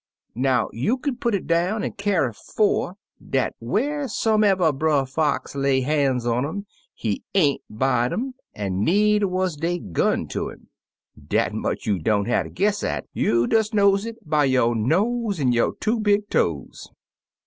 Now, you kin put it down an' carry four, dat wharsomever Brer Fox lay ban's on um, he ain't buy^d um, an' needer wuz dey gun ter 'im. Dat much you don't hatter guess at;' you des knows it by yo' nose an' yo' two big toes.